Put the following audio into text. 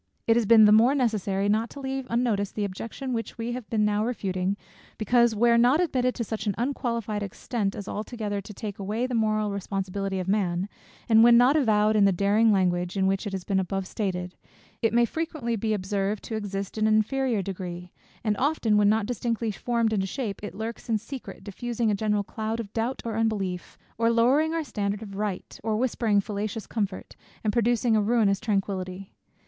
It has been the more necessary not to leave unnoticed the objection which we have been now refuting, because, where not admitted to such an unqualified extent as altogether to take away the moral responsibility of man, and when not avowed in the daring language in which it has been above stated; if may frequently be observed to exist in an inferior degree: and often, when not distinctly formed into shape, it lurks in secret, diffusing a general cloud of doubt or unbelief, or lowering our standard of right, or whispering fallacious comfort, and producing a ruinous tranquillity.